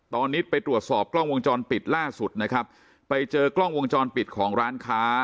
ตอนนี้ไปตรวจสอบกล้องวงจรปิดล่าสุดนะครับไปเจอกล้องวงจรปิดของร้านค้า